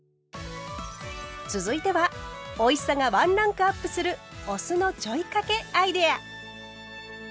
続いてはおいしさがワンランクアップするお酢のちょいかけアイデア！